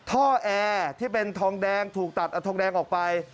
ท่อแอร์ที่เป็นทองแดงถูกตัดเอาทองแดงออกไป